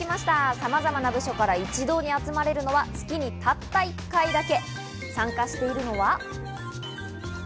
さまざまな部署から一堂に集まれるのは月にたった１回だけ。